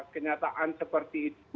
kenyataan seperti itu